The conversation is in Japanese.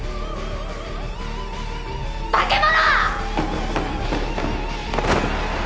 化け物！